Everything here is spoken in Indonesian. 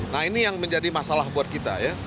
nah ini yang menjadi masalah buat kita ya